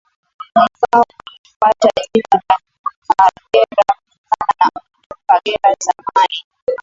Mkoa ulipata jina la Kagera kutokana na Mto Kagera zamani